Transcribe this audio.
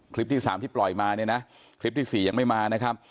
ที่๓ที่ปล่อยมาเนี่ยนะคลิปที่๔ยังไม่มานะครับ